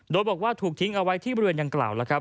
โดยบอกว่าถูกทิ้งเอาไว้ที่บริเวณยังกล่าว